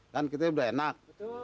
kan kita udah enak